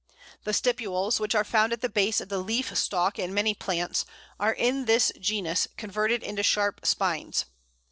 The stipules, which are found at the base of the leaf stalk in many plants, are in this genus converted into sharp spines.